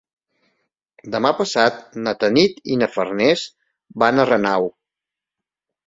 Demà passat na Tanit i na Farners van a Renau.